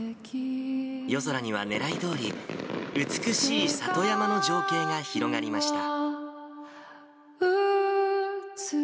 夜空にはねらいどおり、美しい里山の情景が広がりました。